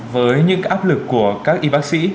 với những áp lực của các y bác sĩ